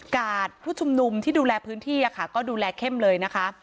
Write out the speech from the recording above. ผู้ชุมนุมที่ดูแลพื้นที่ก็ดูแลเข้มเลยนะคะ